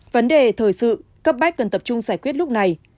vấn đề thời sự cấp bách cần tập trung giải quyết lúc này